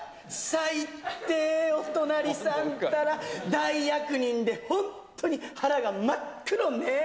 さいってい、お隣さんったら、大悪人で本当に腹が真っ黒ね。